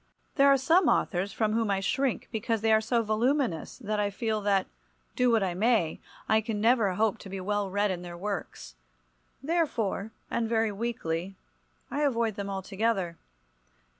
There are some authors from whom I shrink because they are so voluminous that I feel that, do what I may, I can never hope to be well read in their works. Therefore, and very weakly, I avoid them altogether.